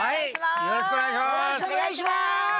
よろしくお願いします。